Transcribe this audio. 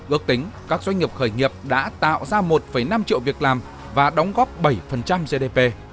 ước tính các doanh nghiệp khởi nghiệp đã tạo ra một năm triệu việc làm và đóng góp bảy gdp